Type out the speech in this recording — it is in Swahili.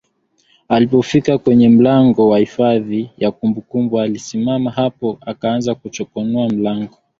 Alipofika kwenye mlango wa hifadhi ya kumbukumbu alisimama hapo akaanza kuchokonoa mlango